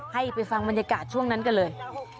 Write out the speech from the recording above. ให้ไปฟังบรรยากาศช่วงนั้นกันเลย